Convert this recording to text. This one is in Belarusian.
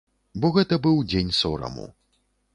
Бо гэта быў дзень сораму.